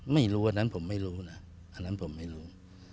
ไม่รู้อันนั้นผมไม่รู้นะอันนั้นผมไม่รู้